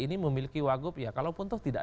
ini memiliki wagub ya kalaupun tuh tidak